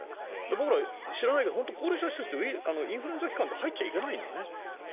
僕らは知らないけど高齢者施設ってインフルエンザ期間って入っちゃいけないのね。